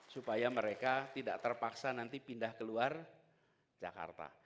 supaya mereka tidak terpaksa nanti pindah keluar jakarta